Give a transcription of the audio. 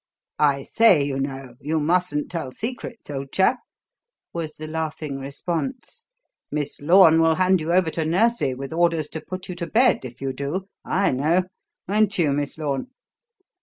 "I say, you know, you mustn't tell secrets, old chap!" was the laughing response. "Miss Lorne will hand you over to Nursie with orders to put you to bed if you do, I know won't you, Miss Lorne?"